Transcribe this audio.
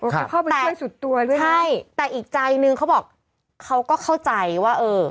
เขาเข้าใจสุดตัวด้วยนะใช่แต่อีกใจนึงเขาบอกเขาก็เข้าใจว่าเออ